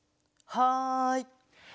はい。